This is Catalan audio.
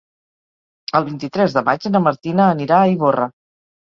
El vint-i-tres de maig na Martina anirà a Ivorra.